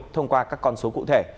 thông qua các con số cụ thể